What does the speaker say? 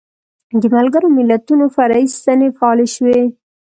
د ملګرو ملتونو فرعي ستنې فعالې شوې.